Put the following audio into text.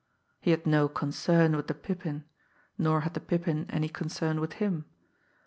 He had no concern with the Pippin nor had the Pippin any concern with him.